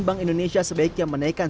bank indonesia sebaiknya menaikkan